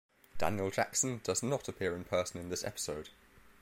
Daniel Jackson does not appear in person in this episode.